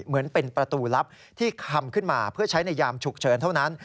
เหมือนเป็นประตูลับที่คำขึ้นมาเพื่อใช้ในยามฉุกเฉินเท่านั้น